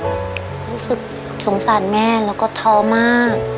รู้สึกสงสารแม่แล้วก็ท้อมาก